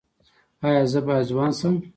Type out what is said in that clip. ایا زه باید ځوان شم؟